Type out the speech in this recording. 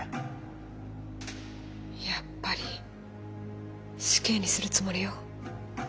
やっぱり死刑にするつもりよ。